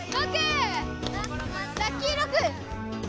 ラッキー６。